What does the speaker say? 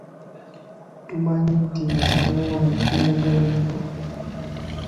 Tomanyi nti nze naawe tweyagala nnyo?